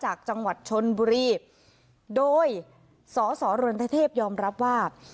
จากจังหวัดชนบุรีโดยสสรณทเทพยอมรับว่า